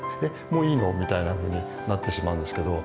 みたいなふうになってしまうんですけど。